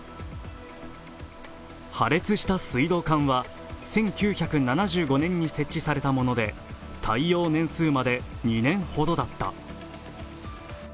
破裂した水道管は１９７５年に設置されたもので、耐用年数まで２年ほどだった。